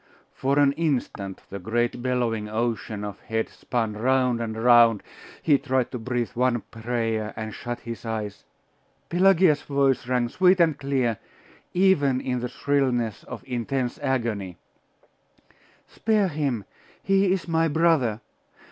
For an instant the great bellowing ocean of heads spun round and round. He tried to breathe one prayer, and shut his eyes Pelagia's voice rang sweet and clear, even in the shrillness of intense agony 'Spare him! He is my brother!